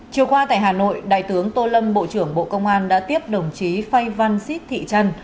chiều qua tại hà nội đại tướng tô lâm bộ trưởng bộ công an đã tiếp đồng chí phay văn xích thị trân